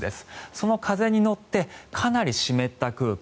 その風に乗ってかなり湿った空気